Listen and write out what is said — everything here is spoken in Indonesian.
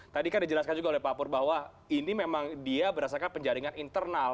tadi kan dijelaskan juga oleh pak pur bahwa ini memang dia berdasarkan penjaringan internal